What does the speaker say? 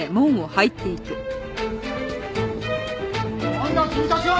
なんだ君たちは！